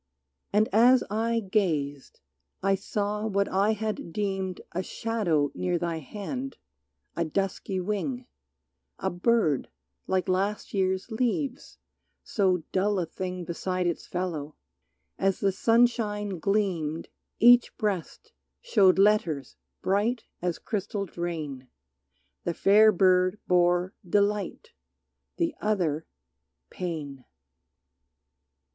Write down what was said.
And as I gazed I saw what I had deemed A shadow near thy hand, a dusky wing, A bird like last year's leaves, so dull a thing Beside its fellow; as the sunshine gleamed Each breast showed letters bright as crystalled rain, The fair bird bore "Delight," the other "Pain."